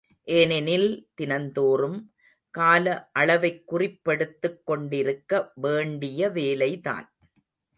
ஏனெனில் தினந்தோறும், கால அளவைக் குறிப்பெடுத்துக் கொண்டிருக்க வேண்டிய வேலைதான்.